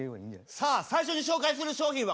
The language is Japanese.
さあ最初に紹介する商品はこちら。